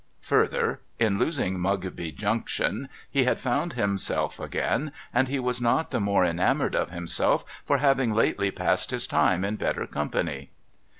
Further, in losing Mugby Junction, he had found himself again ; and he was not the more enamoured of himself for having lately passed his time in better company.